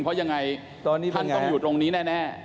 เพราะยังไงท่านต้องอยู่ตรงนี้แน่